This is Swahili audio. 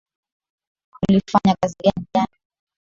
Ulifanya kazi gani jana.